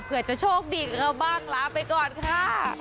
เพื่อจะโชคดีกับเราบ้างลาไปก่อนค่ะ